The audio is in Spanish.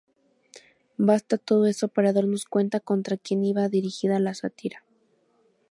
Basta todo eso para darnos cuenta contra quien iba dirigida la sátira.